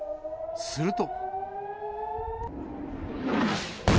すると。